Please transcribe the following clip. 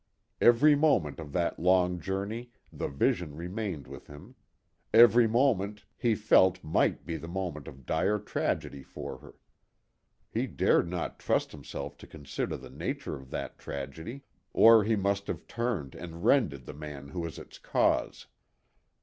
Every moment of that long journey the vision remained with him; every moment he felt might be the moment of dire tragedy for her. He dared not trust himself to consider the nature of that tragedy, or he must have turned and rended the man who was its cause.